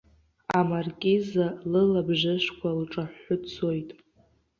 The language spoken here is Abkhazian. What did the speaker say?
Амаркиза лылабжышқәа лҿаҳәҳәы дцоит.